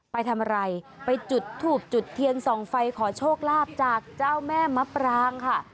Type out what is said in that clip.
ไปทำอะไรไปจุดทูบจุดเทียนส่องไฟขอโชคลาภจากเจ้าแม่มะปรางค่ะ